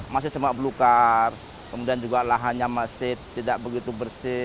masih semak belukar kemudian juga lahannya masih tidak begitu bersih